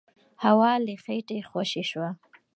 هوا له خېټې خوشې شوه.